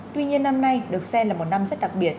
tuy nhiên năm nay được xem là một năm rất đặc biệt